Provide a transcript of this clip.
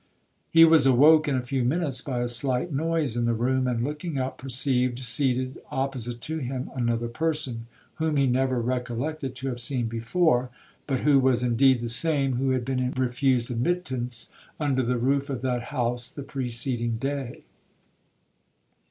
He was awoke in a few minutes by a slight noise in the room, and looking up perceived seated opposite to him another person, whom he never recollected to have seen before, but who was indeed the same who had been refused admittance under the roof of that house the preceding day.